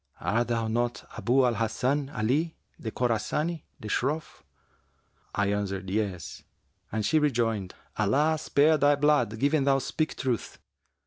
Art thou not Abu al Hasan Ali the Khorasani, the Shroff?' I answered, 'Yes,' and she rejoined, 'Allah spare thy blood given thou speak truth!